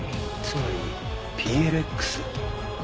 つまりＰＬＸ！